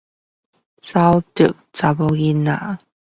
沼澤女孩